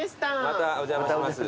またお邪魔します。